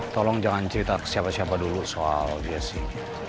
tolong jangan cerita ke siapa siapa dulu soal dia sih